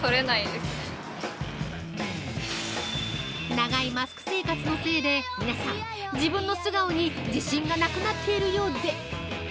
◆長いマスク生活のせいで皆さん、自分の素顔に自信がなくなっているようで。